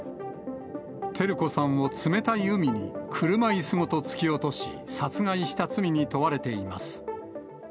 照子さんを冷たい海に車いすごと突き落とし、殺害した罪に問われています。